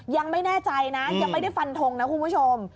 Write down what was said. ยังไม่แน่ใจนะยังไม่ได้ฟันทงนะคุณผู้ชม